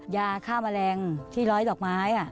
ยาฆ่าแมลงที่ร้อยดอกไม้